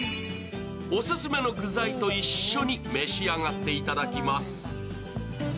オススメの具材と一緒に召し上がっていただきます。